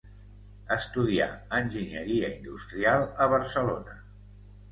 Estudià enginyeria industrial a Barcelona.